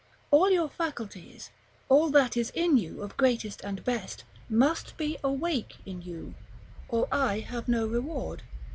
All your faculties, all that is in you of greatest and best, must be awake in you, or I have no reward.